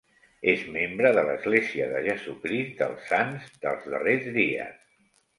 És membre de l'Església de Jesucrist dels Sants dels Darrers Dies.